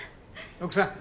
奥さん？